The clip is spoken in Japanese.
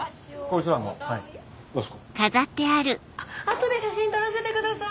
後で写真撮らせてください！